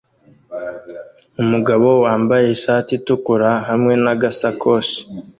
Umugabo wambaye ishati itukura hamwe nagasakoshi